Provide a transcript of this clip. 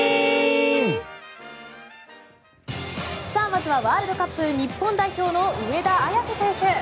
まずはワールドカップ日本代表の上田綺世選手。